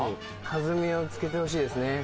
弾みをつけてほしいですね。